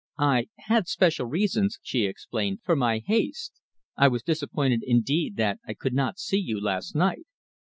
"I had special reasons," she explained, "for my haste. I was disappointed, indeed, that I could not see you last night."